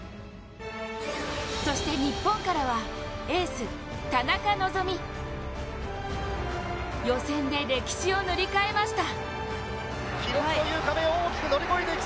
そして日本からはエース、田中希実予選で歴史を塗り替えました。